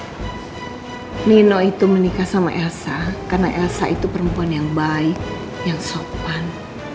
kalau nino itu menikah sama elsa karena elsa itu perempuan yang baik yang sopan